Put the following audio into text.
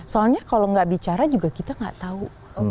soalnya kalau gak bicara kita juga gak tahu